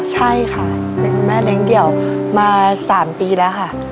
ใช่ค่ะเป็นแม่เลี้ยงเดี่ยวมา๓ปีแล้วค่ะ